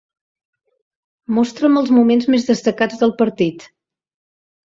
Mostra'm els moments més destacats del partit.